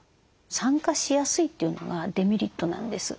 酸化しやすいというのがデメリットなんです。